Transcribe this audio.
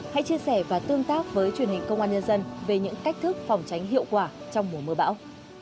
hãy chia sẻ và tương tác với truyền hình công an nhân dân về những cách thức phòng tránh hiệu quả trong mùa mưa bão